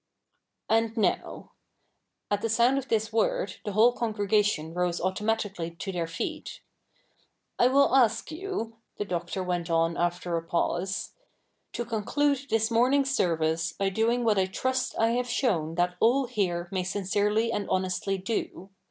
' And now ' (at the sound of this word the whole congregation rose automatically to their feet), ' I will ask you,' the Doctor went on after a pause, ' to conclude this morning's service by doing what I trust I have shown that all here may sincerely and honestly do.